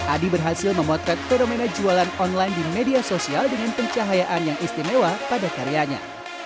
adi berhasil memotret fenomena jualan online di media sosial dengan pencahayaan yang istimewa pada karyanya